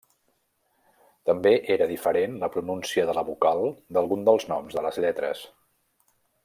També era diferent la pronúncia de la vocal d'algun dels noms de les lletres.